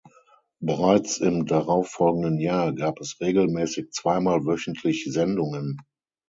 Bereits im darauffolgenden Jahr gab es regelmäßig zweimal wöchentlich Sendungen.